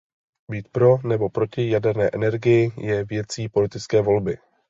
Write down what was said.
Být pro nebo proti jaderné energii je věcí politické volby.